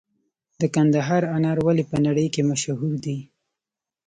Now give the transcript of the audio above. د کندهار انار ولې په نړۍ کې مشهور دي؟